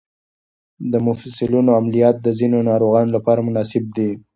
د مفصلونو عملیات د ځینو ناروغانو لپاره مناسب دي.